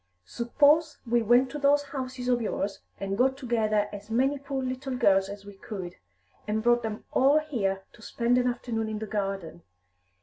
Suppose we went to those houses of yours, and got together as many poor little girls as we could, and brought them all here to spend an afternoon in the garden.